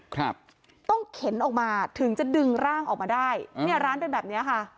ครับต้องเข็นออกมาถึงจะดึงร่างออกมาได้เนี่ยร้านเป็นแบบเนี้ยค่ะ